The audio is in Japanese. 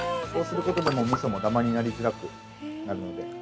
そうすることで、みそもだまになりずらくなるので。